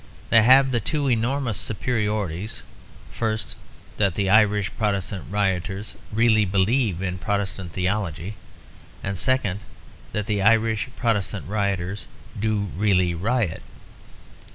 They have the two enormous superiorities: first, that the Irish Protestant rioters really believe in Protestant theology; and second, that the Irish Protestant rioters do really riot.